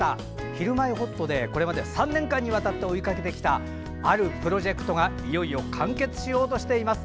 「ひるまえほっと」でこれまで３年間にわたって追いかけてきたあるプロジェクトがいよいよ完結しようとしています。